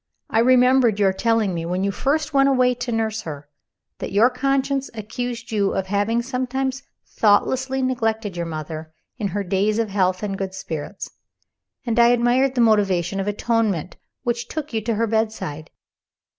I remembered your telling me, when you first went away to nurse her, that your conscience accused you of having sometimes thoughtlessly neglected your mother in her days of health and good spirits, and I admired the motive of atonement which took you to her bedside.